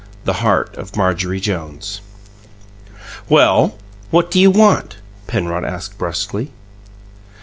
THE HEART OF MARJORIE JONES "Well, what you want?" Penrod asked, brusquely.